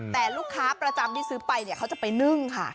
แต่ลูกค้าประจำที่ซื้อไปเขาจะไปนึ่งค่ะ